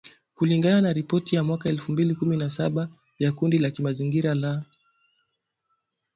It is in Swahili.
kulingana na ripoti ya mwaka elfu mbili kumi na saba ya kundi la kimazingira la